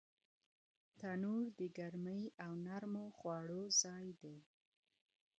تنور د ګرمۍ او نرمو خوړو ځای دی